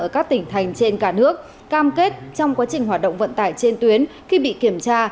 ở các tỉnh thành trên cả nước cam kết trong quá trình hoạt động vận tải trên tuyến khi bị kiểm tra